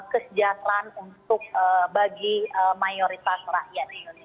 kesejahteraan untuk bagi mayoritas rakyat indonesia